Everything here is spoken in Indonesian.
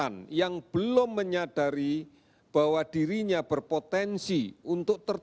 yang dianggap menjadi proses menularanivering dan korban ahliga akan mendatanggia mereka